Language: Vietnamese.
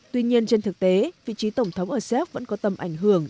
tuy nhiên trên thực tế vị trí tổng thống ở séc vẫn có tầm ảnh hưởng